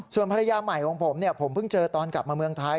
ส่วนภรรยาใหม่ของผมผมเพิ่งเจอตอนกลับมาเมืองไทย